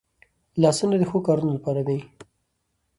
لاسونه د ښو کارونو لپاره دي